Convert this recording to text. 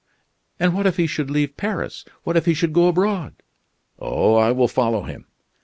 "And what if he should leave Paris? What if he should go abroad?" "Oh, I will follow him.